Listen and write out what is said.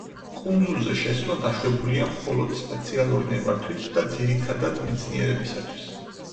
კუნძულზე შესვლა დაშვებულია მხოლოდ სპეციალური ნებართვით და ძირითადად მეცნიერებისათვის.